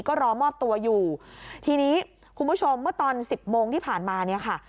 ก็รอมอบตัวอยู่ทีนี้คุณผู้ชมเมื่อตอนสิบโมงที่ผ่านมาเนี่ยค่ะ